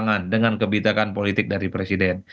dengan kebijakan politik dari presiden